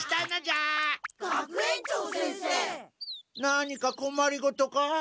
何かこまりごとか？